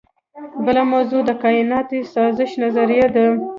بله موضوع د کائناتي سازش نظریه ده.